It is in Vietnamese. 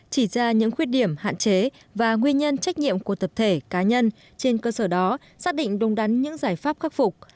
chỉ ra những khuyết điểm hạn chế và nguyên nhân trách nhiệm của tập thể cá nhân trên cơ sở đó xác định đúng đắn những giải pháp khắc phục